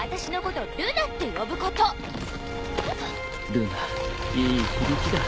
ルナいい響きだ。